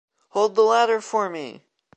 Hold the ladder for me!